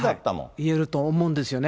言えると思うんですよね。